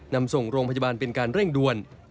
นำส่งโรงพยาบาลเป็นการเร่งด่วน